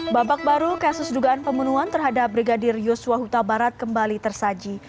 bapak baru kasus dugaan pemenuhan terhadap brigadir yuswa huta barat kembali tersaji